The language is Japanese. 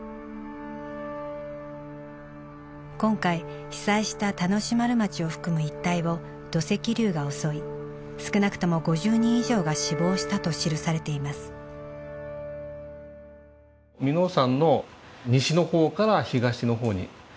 今回被災した田主丸町を含む一帯を土石流が襲い少なくとも５０人以上が死亡したと記されています。って書いています。